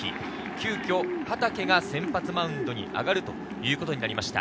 急きょ、畠が先発マウンドに上がるということになりました。